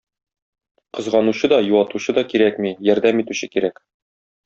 Кызганучы да, юатучы да кирәкми, ярдәм итүче кирәк.